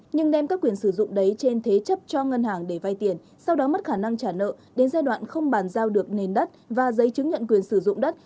nhưng đem các quyền sử dụng đấy trên thế chấp cho ngân hàng để vay tiền sau đó mất khả năng trả nợ đến giai đoạn không bàn giao được nền đất và giấy chứng nhận quyền sử dụng đất